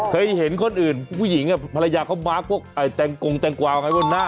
เคยเห็นคนอื่นผู้หญิงภรรยาเขามาร์คพวกแตงกงแตงกวาวไงบนหน้า